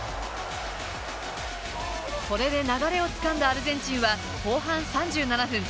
これで流れをつかんだアルゼンチンは、後半３７分。